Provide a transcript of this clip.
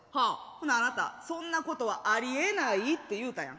ほなあなた「そんなことはありえない」って言うたやん。